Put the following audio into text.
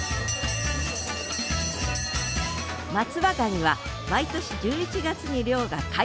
松葉ガニは毎年１１月に漁が解禁。